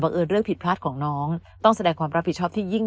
เอิญเรื่องผิดพลาดของน้องต้องแสดงความรับผิดชอบที่ยิ่ง